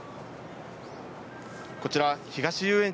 こちら東遊